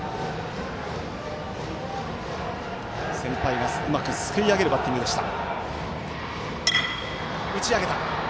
先輩が、うまくすくい上げるバッティングでした。